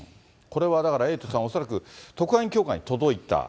これはだから、エイトさん、恐らく特派員協会に届いた。